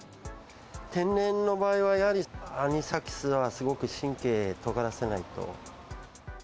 天然の場合は、やはりアニサキスはすごく神経とがらせないと。